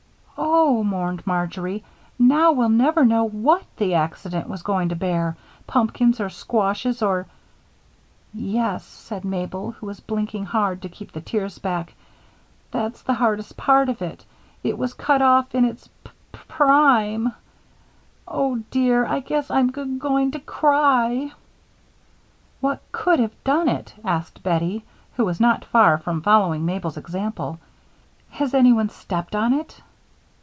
"Oh," mourned Marjory, "now we'll never know what 'The Accident' was going to bear, pumpkins or squashes or " "Yes," said Mabel, who was blinking hard to keep the tears back, "that's the hardest part of it, it was cut off in its p prime Oh, dear, I guess I'm g going to cry." "What could have done it?" asked Bettie, who was not far from following Mabel's example. "Has anyone stepped on it?"